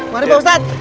mari pak ustadz